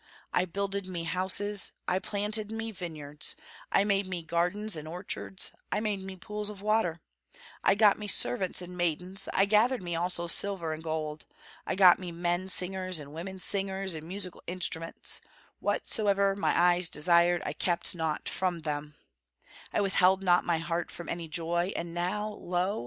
I builded me houses, I planted me vineyards; I made me gardens and orchards, I made me pools of water; I got me servants and maidens, I gathered me also silver and gold; I got me men singers and women singers and musical instruments; whatsoever my eyes desired I kept not from them; I withheld not my heart from any joy, and now, lo!